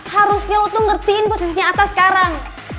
harusnya lo tuh ngertiin posisinya atas sekarang